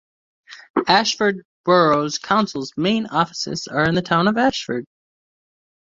Ashford Borough Council's main offices are in the town of Ashford.